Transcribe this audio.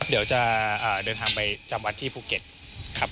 เดี๋ยวจะเดินทางไปจำวัดที่ภูเก็ตครับ